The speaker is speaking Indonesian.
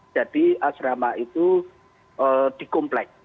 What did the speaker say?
jadi asrama itu di komplek